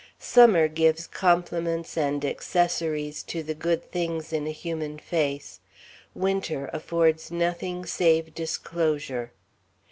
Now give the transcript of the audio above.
Summer gives complements and accessories to the good things in a human face. Winter affords nothing save disclosure.